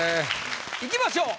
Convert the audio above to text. いきましょう。